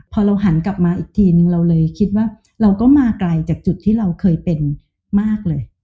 พอเราหันกลับมาอีกทีนึงเราเลยคิดว่าเราก็มาไกลจากจุดที่เราเคยเป็นมากเลย